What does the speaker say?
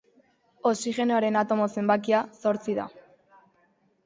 Oxigenoaren atomo zenbakia zortzi da.